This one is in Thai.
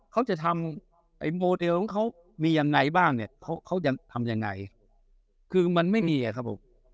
เขาจะทำไอ้โมเดลของเขามียังไงบ้างเนี่ยเขาจะทำยังไงคือมันไม่มีอ่ะครับผม